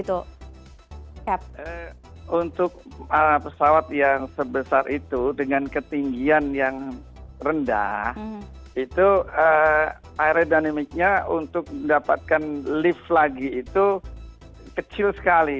untuk pesawat yang sebesar itu dengan ketinggian yang rendah itu aerodhanimic nya untuk mendapatkan lift lagi itu kecil sekali